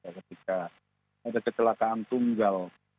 ketika ada kecelakaan tunggal